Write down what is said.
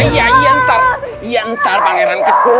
ya ntar pangeran keku